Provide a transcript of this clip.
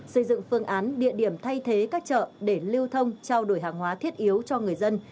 xây dựng phương án địa điểm thay thế các chợ để lưu thông trao đổi hàng hóa thiết yếu cho người dân